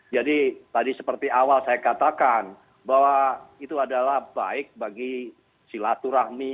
jadi tadi seperti awal saya katakan bahwa itu adalah baik bagi silaturahmi